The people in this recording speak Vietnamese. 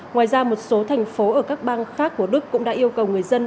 ngoài ra một số thành phố ở các bang khác của đức cũng đã yêu cầu người dân